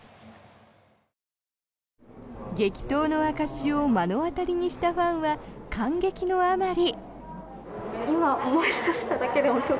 激闘の証しを目の当たりにしたファンは感激のあまり。